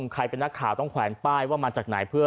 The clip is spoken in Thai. ใครเป็นนักข่าวต้องแขวนเปล่าว่ามาจากไหน